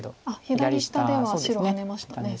左下では白ハネましたね。